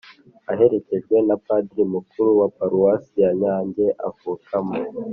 aherekejwe na padiri mukuru wa paruwasi yanyange avukamo